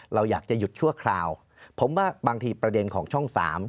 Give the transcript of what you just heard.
เราอยากจะหยุดชั่วคราวผมว่าบางทีประเด็นของช่อง๓